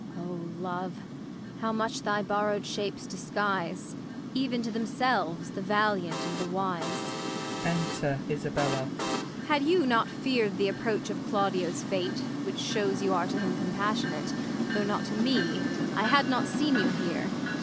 O Love ! how much thy borrowed shapes disguise, Even to themselves, the valiant and the wise ! Enter Isabella, Ang. Had you not fear'd th' approach of Claudio's fate Which shews you are to him compassionate. Though not to me, I had not seen you here.